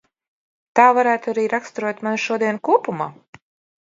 Tā varētu arī raksturot manu šodienu kopumā.